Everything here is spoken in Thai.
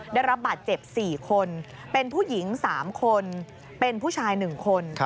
ได้รับบาดเจ็บ๔คนเป็นผู้หญิง๓คนเป็นผู้ชาย๑คน